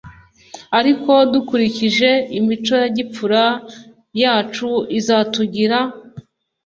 ariko dukurikije imico ya gipfura yacu izatugira